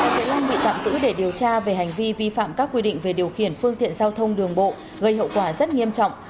hai vợ long bị tạm giữ để điều tra về hành vi vi phạm các quy định về điều khiển phương tiện giao thông đường bộ gây hậu quả rất nghiêm trọng